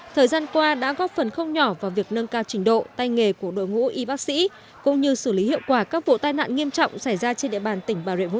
thời gian qua đã góp phần không nhỏ vào việc nâng cao trình độ tay nghề của đội ngũ y bác sĩ